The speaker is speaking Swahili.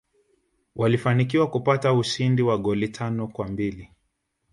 walfanikiwa kupata ushindi wa goli tano kwambili